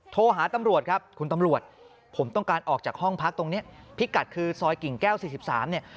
โทรหาตำรวจครับคุณตำรวจผมต้องการออกจากห้องพักตรงนี้พิกัดคือซอยกิ่งแก้ว๔๓เนี่ย